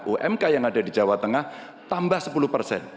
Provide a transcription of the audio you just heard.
umk yang ada di jawa tengah tambah sepuluh persen